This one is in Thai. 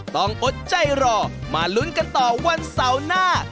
อดใจรอมาลุ้นกันต่อวันเสาร์หน้า